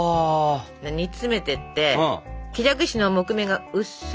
煮詰めてって木じゃくしの木目がうっすら見える感じ。